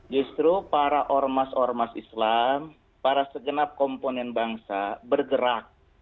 justru para ormas ormas islam para segenap komponen bangsa bergerak